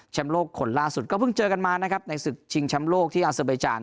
แชมป์โลกขนล่าสุดก็เพิ่งเจอกันมาในศึกชิงแชมป์โลกที่อาซิบัยจารย์